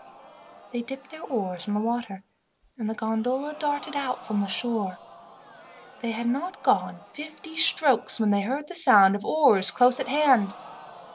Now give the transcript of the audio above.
They dipped their oars in the water, and the gondola darted out from the shore. They had not gone fifty strokes when they heard the sound of oars close at hand.